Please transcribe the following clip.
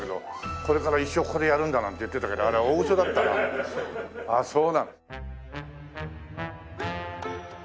「これから一生ここでやるんだ」なんて言ってたけどあれは大ウソだったな。